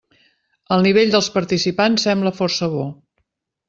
El nivell dels participants sembla força bo.